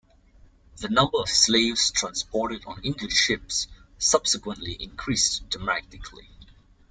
The number of slaves transported on English ships subsequently increased dramatically.